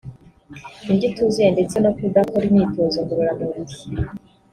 indyo ituzuye ndetse no kudakora imyitozo ngororamubiri